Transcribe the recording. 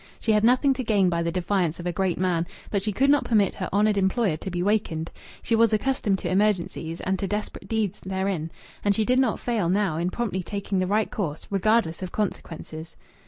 She had nothing to gain by the defiance of a great man, but she could not permit her honoured employer to be wakened. She was accustomed to emergencies, and to desperate deeds therein, and she did not fail now in promptly taking the right course, regardless of consequences.